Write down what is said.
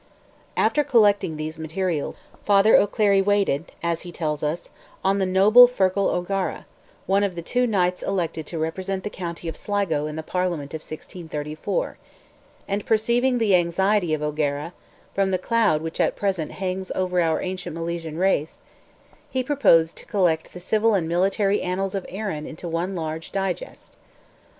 After collecting these materials, Father O'Clery waited, as he tells us, on "the noble Fergall O'Gara," one of the two knights elected to represent the county of Sligo in the Parliament of 1634, and perceiving the anxiety of O'Gara, "from the cloud which at present hangs over our ancient Milesian race," he proposed to collect the civil and military annals of Erin into one large digest.